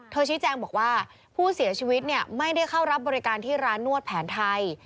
ชี้แจงบอกว่าผู้เสียชีวิตไม่ได้เข้ารับบริการที่ร้านนวดแผนไทย